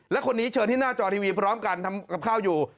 และคนนี้เชิญที่หน้าจอทีวีพร้อมกันทำกับข้าวอยู่